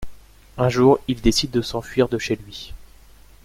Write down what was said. Un jour, il décide de s'enfuir de chez lui.